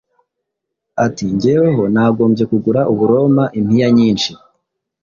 ati “Jyeweho nagombye kugura Uburoma impiya nyinshi.’